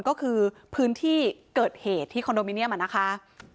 ก็คือพื้นที่เกิดเหตุที่คอนโดมิเนียมนะคะ